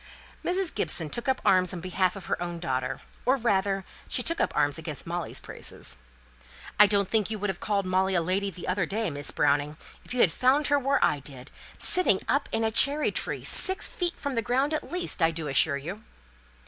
Mrs. Gibson took up arms on behalf of her own daughter, or, rather, she took up arms against Molly's praises. "I don't think you would have called Molly a lady the other day, Miss Browning, if you had found her where I did: sitting up in a cherry tree, six feet from the ground at least, I do assure you."